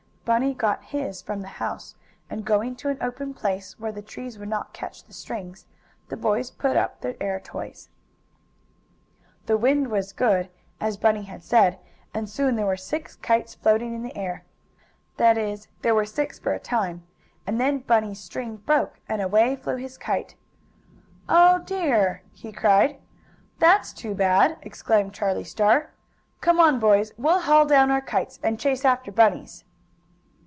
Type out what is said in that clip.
Bunny got his from the house, and, going to an open place, where the trees would not catch the strings, the boys put up their air toys. The wind was good, as Bunny had said, and soon there were six kites floating in the air. That is there were six for a time, and then Bunny's string broke, and away flew his kite. "Oh, dear!" he cried. "That's too bad!" exclaimed Charlie Star. "Come on, boys, we'll haul down our kites and chase after Bunny's!"